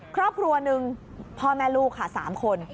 ครอบครัวหนึ่งพ่อแม่ลูกค่ะ๓คน